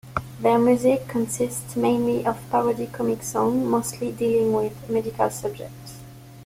Their music consists mainly of parody comic songs mostly dealing with medical subjects.